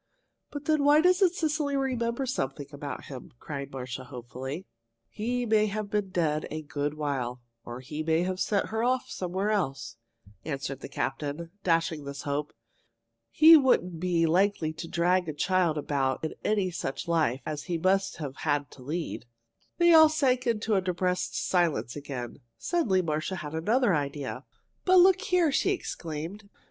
"But then why doesn't Cecily remember something about him?" cried Marcia, hopefully. "He may have been dead a good while, or he may have sent her off somewhere else," answered the captain, dashing this hope. "He wouldn't be likely to drag a child about in any such life as he must have had to lead." They all sank into a depressed silence again. Suddenly Marcia had another idea. "But look here!" she exclaimed.